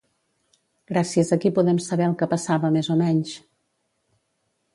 Gràcies a qui podem saber el que passava més o menys?